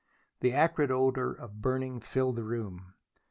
The acrid odor of burning filled the room.